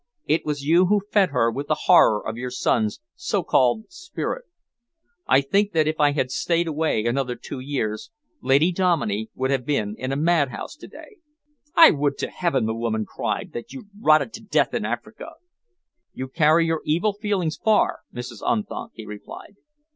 It was you who fed her with the horror of your son's so called spirit. I think that if I had stayed away another two years, Lady Dominey would have been in a mad house to day." "I would to Heaven!" the woman cried, "that you'd rotted to death in Africa!" "You carry your evil feelings far, Mrs. Unthank," he replied.